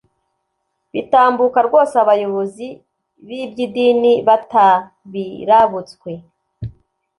bitambuka rwose abayobozi b’iby’idini batabirabutswe